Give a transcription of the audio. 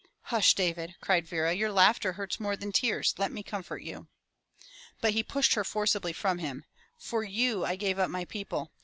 "Hush, David," cried Vera. "Your laughter hurts more than tears. Let me comfort you." But he pushed her forcibly from him. "For you I gave up my people.